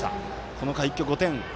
この回、一挙５点。